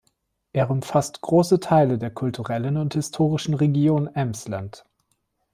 Er umfasst große Teile der kulturellen und historischen Region Emsland.